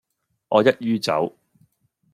我一於走